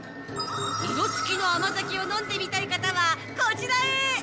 色つきの甘酒を飲んでみたい方はこちらへ！